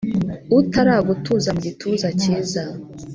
Utaragutuza mugituza kiza